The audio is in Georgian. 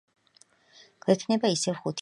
გვექნება ისევ ხუთი ერთეული.